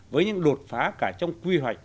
với những đột phá cả trong quy hoạch